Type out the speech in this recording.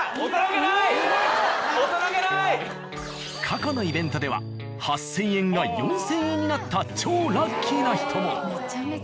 過去のイベントでは８０００円が４０００円になった超ラッキーな人も。